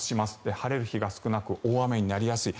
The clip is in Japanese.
晴れる日が少なく大雨になりやすい。